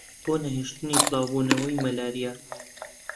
بۆ نەهێشتنی بڵاوبوونەوەی مەلاریا